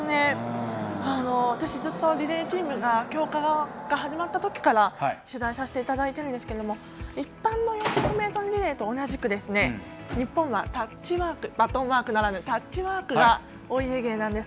私、ずっとリレーチームの強化が始まったときから取材させていただいているんですが一般の４００ｍリレーと同じく日本はバトンワークならぬタッチワークがお家芸なんです。